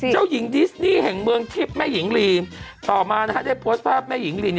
เจ้าหญิงดิสนี่แห่งเมืองทิพย์แม่หญิงลีต่อมาได้โพสต์ภาพแม่หญิงลี